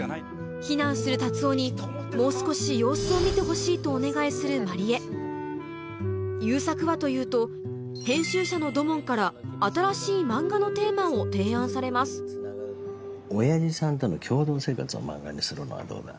非難する達男にもう少し様子を見てほしいとお願いする万里江悠作はというと編集者の土門からをされます親父さんとの共同生活を漫画にするのはどうだ？